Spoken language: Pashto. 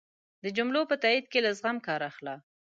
د جملو په تایېد کی له زغم کار اخله